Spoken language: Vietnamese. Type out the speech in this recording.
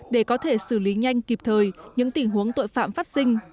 để có thể xử lý nhanh kịp thời những tình huống tội phạm phát sinh